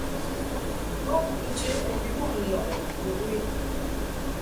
Bo kuʼ nje bimɔʼ nɔʼɨ ndu i.